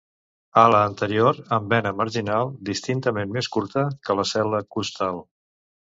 Ala anterior amb vena marginal distintament més curta que la cel·la costal.